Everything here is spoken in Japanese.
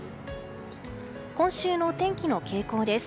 今週の天気の傾向です。